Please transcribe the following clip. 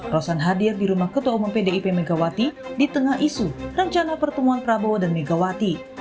rosan hadir di rumah ketua umum pdip megawati di tengah isu rencana pertemuan prabowo dan megawati